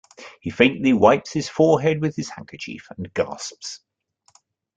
He faintly wipes his forehead with his handkerchief and gasps.